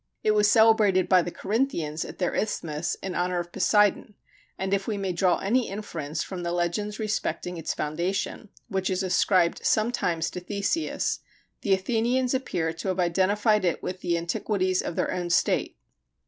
It was celebrated by the Corinthians at their isthmus, in honor of Poseidon, and if we may draw any inference from the legends respecting its foundation, which is ascribed sometimes to Theseus, the Athenians appear to have identified it with the antiquities of their own state.